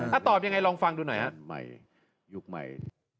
ถ้าตอบยังไงลองฟังดูหน่อยครับ